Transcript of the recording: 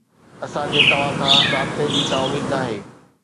اسان کي توهان کان رابطي جي ڪا اميد ناهي